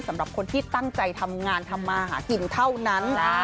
สำหรับคนที่ตั้งใจทำงานทำมาหากินเท่านั้นนะ